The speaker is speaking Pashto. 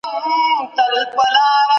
د څو کسانو ګډ حکومت څنګه چارې پر مخ بيايي؟